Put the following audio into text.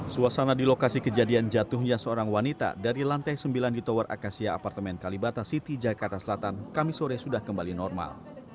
suasana di lokasi kejadian jatuhnya seorang wanita dari lantai sembilan di tower akasia apartemen kalibata city jakarta selatan kami sore sudah kembali normal